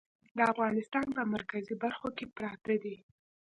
د افغانستان په مرکزي برخو کې پراته دي.